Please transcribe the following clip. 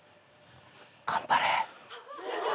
頑張れ。